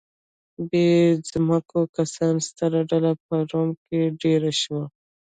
بې ځمکو کسانو ستره ډله په روم کې دېره شوه